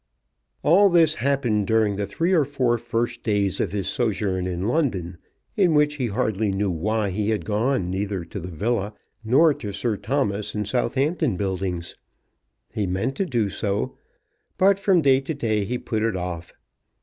All this happened during the three or four first days of his sojourn in London, in which, he hardly knew why, he had gone neither to the villa nor to Sir Thomas in Southampton Buildings. He meant to do so, but from day to day he put it off.